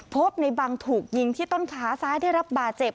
พบในบังถูกยิงที่ต้นขาซ้ายได้รับบาดเจ็บ